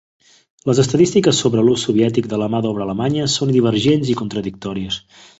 Les estadístiques sobre l'ús soviètic de la mà d'obra alemanya són divergents i contradictòries.